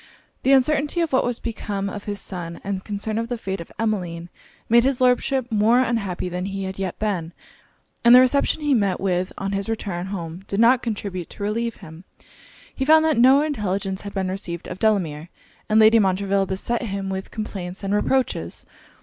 The uncertainty of what was become of his son, and concern for the fate of Emmeline, made his Lordship more unhappy than he had yet been: and the reception he met with on his return home did not contribute to relieve him; he found that no intelligence had been received of Delamere; and Lady Montreville beset him with complaints and reproaches.